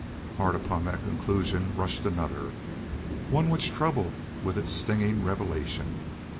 Hard upon that conclusion rushed another one which troubled with its stinging revelation.